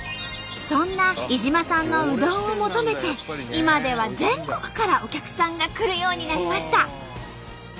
そんな井島さんのうどんを求めて今では全国からお客さんが来るようになりました。